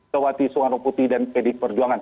tawati soehara putih dan pd perjuangan